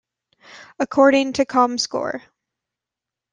According to comScore.